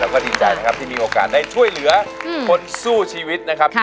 แล้วก็ดีใจนะครับที่มีโอกาสได้ช่วยเหลือคนสู้ชีวิตนะครับ